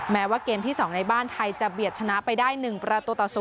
แม้ว่าเกมที่๒ในบ้านไทยจะเบียดชนะไปได้๑ประตูต่อ๐